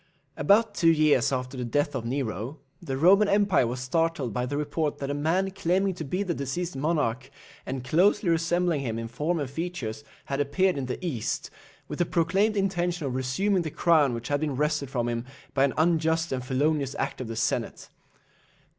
About two years after the death of Nero, the Roman empire was startled by the report that a man claiming to be the deceased monarch, and closely resembling him in form and features, had appeared in the East, with the proclaimed intention of resuming the crown which had been wrested from him by an unjust and felonious act of the Senate.